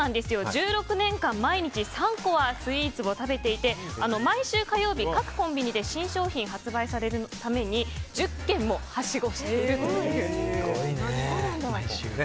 １６年間、毎日３個はスイーツを食べていて毎週火曜日、各コンビニで新商品が発売されるために１０軒もはしごしているということです。